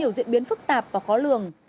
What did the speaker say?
chiều diễn biến phức tạp và khó lường